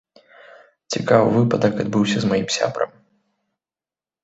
Цікавы выпадак адбыўся з маім сябрам.